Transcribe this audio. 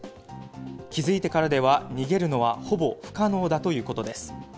気付いてからでは逃げるのはほぼ不可能だということです。